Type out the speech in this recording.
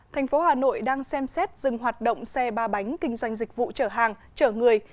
thành phố hà nội đang xem xét dừng hoạt động xe ba bánh kinh doanh dịch vụ chở hàng chở người